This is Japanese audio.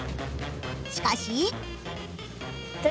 しかし！